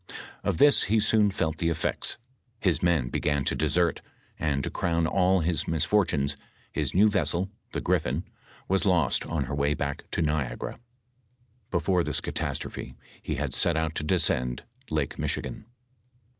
Of this he soon felt the effects, his men began to desert, and to crown all his misfortunes, his new vessel, the Oriffin, was lost on her way back to Niagara. Before this catastrophe he had set out to descend Lake Michigan.